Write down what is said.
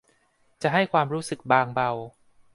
จะให้ความรู้สึกบางเบา